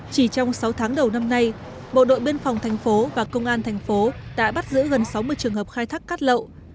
chỉ trong sáu tháng đầu năm nay bộ đội biên phòng thành phố và công an thành phố đã bắt giữ gần sáu mươi trường hợp khai thác cát lậu